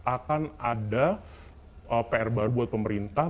akan ada pr baru buat pemerintah